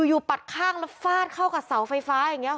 ปัดข้างแล้วฟาดเข้ากับเสาไฟฟ้าอย่างนี้